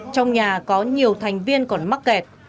trong nhà có nhiều thành viên còn mắc kẹt